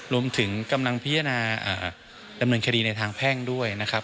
รวมถึงกำลังพิจารณาดำเนินคดีในทางแพ่งด้วยนะครับ